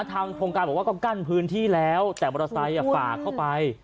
ทางโครงการบอกว่าก็กั้นพื้นที่แล้วแต่มอเตอร์ไซค์ฝากเข้าไป